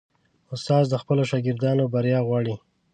استاد د خپلو شاګردانو بریا غواړي.